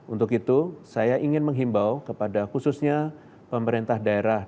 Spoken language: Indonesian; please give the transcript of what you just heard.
untuk itu saya ingin menghimbau kepada khususnya pemerintah daerah